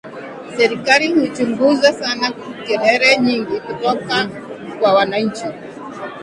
Serikali huchunguza sana kelele nyingi kutoka kwa wananchi.